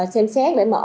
xem xét để mở